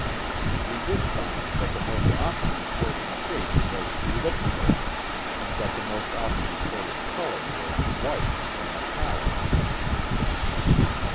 We did find that the most often reported shape was elliptical and that the most often reported color was white or "metallic."